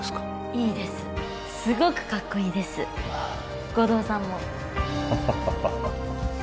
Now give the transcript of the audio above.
いいですすごくかっこいいです護道さんもハハハハハ